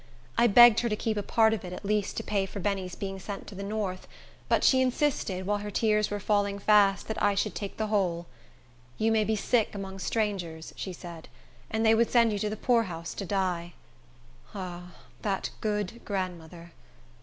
I begged her to keep a part of it, at least, to pay for Benny's being sent to the north; but she insisted, while her tears were falling fast, that I should take the whole. "You may be sick among strangers," she said, "and they would send you to the poorhouse to die." Ah, that good grandmother!